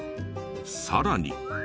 さらに。